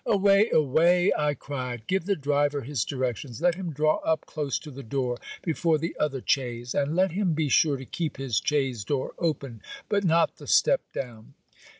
'Away! away!' I cried, 'give the driver his directions; let him draw up close to the door, before the other chaise; and let him be sure to keep his chaise door open, but not the step down.'